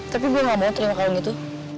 tapi gue gak mau terima kalung itu